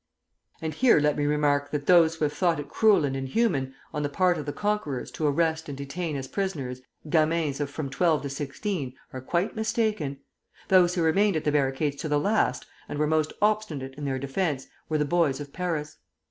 And here let me remark that those who have thought it cruel and inhuman on the part of the conquerors to arrest and detain as prisoners gamins of from twelve to sixteen, are quite mistaken. Those who remained at the barricades to the last, and were most obstinate in their defence, were the boys of Paris.